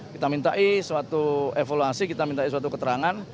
kita mintai suatu evaluasi kita minta suatu keterangan